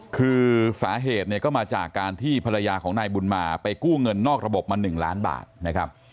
คือสาเหตุเนี่ยก็มาจากการที่ภรรยาของนายบุญมาไปกู้เงินนอกระบบมา๑ล้านบาทนะครับ